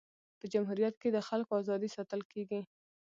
په جمهوریت کي د خلکو ازادي ساتل کيږي.